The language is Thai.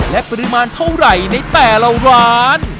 และปริมาณเท่าไหร่ในแต่ละร้าน